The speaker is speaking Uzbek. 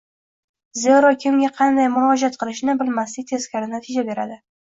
Zero, kimga qanday murojaat qilishni bilmaslik teskari natija keltiradi.